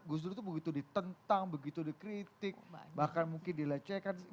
gus dur itu begitu ditentang begitu dikritik bahkan mungkin dilecehkan